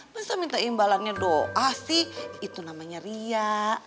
masa minta imbalannya doa sih itu namanya riak